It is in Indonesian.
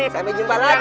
sampai jumpa lagi